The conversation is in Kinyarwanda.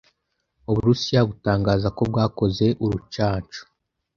Uburusiya butangaza ko bwakoze urucanco